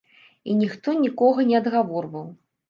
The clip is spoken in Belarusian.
І ніхто нікога не адгаворваў.